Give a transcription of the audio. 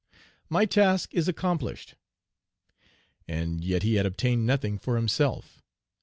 "My task is accomplished." And yet he had obtained nothing for himself.